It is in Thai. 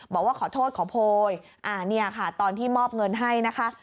บอกว่าขอโทษขอโพยเนี่ยค่ะตอนที่มอบเงินให้นะคะ